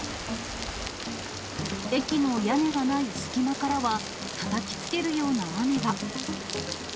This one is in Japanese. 駅の屋根がない隙間からはたたきつけるような雨が。